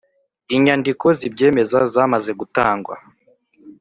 inyandiko zibyemeza zamaze gutangwa